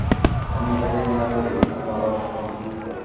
আমি এটাকে ঘৃণা করি, আমি অলস, গন্ধযুক্ত।